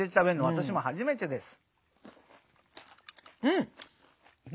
私も初めてです。